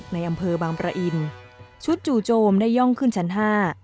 ในอำเภอบางประอินชุดจู่โจมได้ย่องขึ้นชั้นห้า